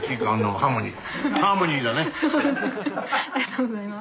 ありがとうございます。